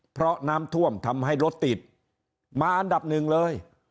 เพราะน้ำท่วมทำให้รถติดมาอันดับหนึ่งเลย